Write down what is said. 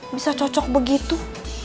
bisa cocok begitu